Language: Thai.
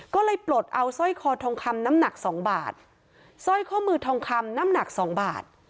ก็เลยปลดเอาสร้อยคอทองคำน้ำหนักสองบาทสร้อยข้อมือทองคำน้ำหนักสองบาท